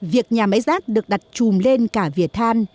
việc nhà máy rác được đặt trùm lên cả vỉa than